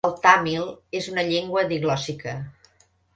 El tàmil és una llengua diglòssica.